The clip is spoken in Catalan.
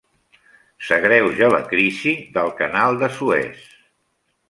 S'agreuja la crisi del canal de Suez.